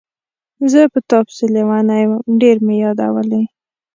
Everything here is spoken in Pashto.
زه په تا پسې لیونی وم، ډېر مې یادولې.